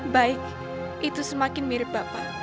baik itu semakin mirip bapak